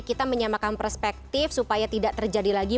kita menyamakan perspektif supaya tidak terjadi lagi